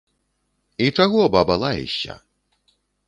І чаго, баба, лаешся?